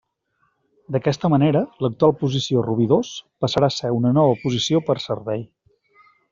D'aquesta manera, l'actual posició Rubí dos passarà a ser una nova posició per servei.